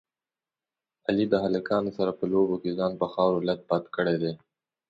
علي د هلکانو سره په لوبو کې ځان په خاورو لت پت کړی دی.